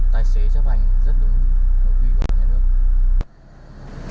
tài xế chấp hành rất đúng nội quy của nhà nước